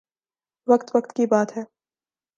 وقت وقت کی بات ہے